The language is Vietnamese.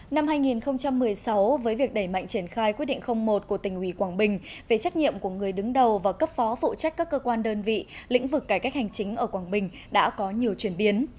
năm hai nghìn một mươi sáu với việc đẩy mạnh triển khai quyết định một của tỉnh ủy quảng bình về trách nhiệm của người đứng đầu và cấp phó phụ trách các cơ quan đơn vị lĩnh vực cải cách hành chính ở quảng bình đã có nhiều chuyển biến